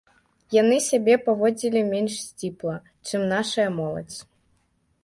Яны сябе паводзілі менш сціпла, чым нашая моладзь.